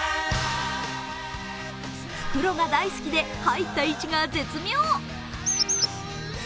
袋が大好きで入った位置が絶妙。